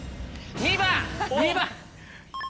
２番。